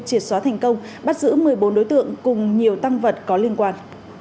triệt xóa thành công bắt giữ một mươi bốn đối tượng cùng nhiều tăng vật có liên quan